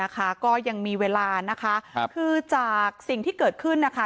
ก็ยังมีเวลานะคะคือจากสิ่งที่เกิดขึ้นนะคะ